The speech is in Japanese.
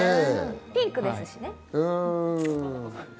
ピンクですしね。